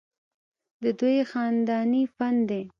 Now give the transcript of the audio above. ددوي خانداني فن دے